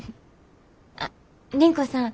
あっ倫子さん